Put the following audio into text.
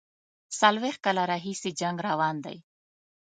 څلوېښت کاله راهیسي جنګ روان دی.